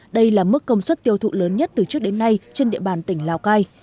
đây là mức công suất tiêu thụ lớn nhất từ trước đến nay trên địa bàn tỉnh lào cai